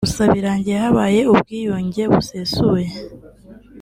gusa birangiye habaye ubwiyunge busesuye